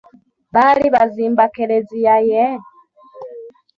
Baali bazimba Klezia ye?